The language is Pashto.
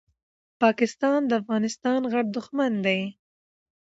پاکستان دي افغانستان غټ دښمن ده